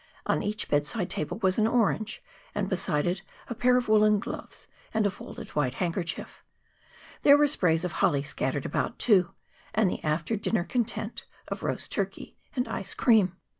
On each bedside table was an orange, and beside it a pair of woolen gloves and a folded white handkerchief. There were sprays of holly scattered about, too, and the after dinner content of roast turkey and ice cream.